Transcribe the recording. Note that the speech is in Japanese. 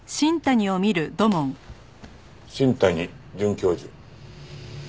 新谷准教授。